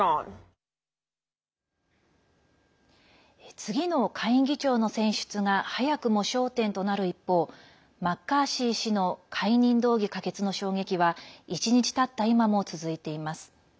次の下院議長の選出が早くも焦点となる一方マッカーシー氏の解任動議可決の衝撃は１日たった今も続いています。